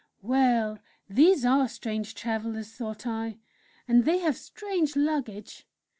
Well, these are strange travellers, thought I and they have strange luggage!